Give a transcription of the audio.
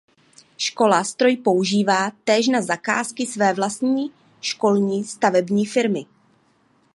Škola stroj používá též na zakázky své vlastní školní stavební firmy.